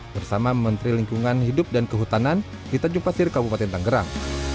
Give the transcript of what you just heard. bersama menteri lingkungan hidup dan kehutanan di tanjung pasir kabupaten tanggerang